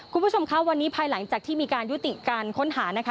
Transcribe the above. คุณผู้ชมคะวันนี้ภายหลังจากที่มีการยุติการค้นหานะคะ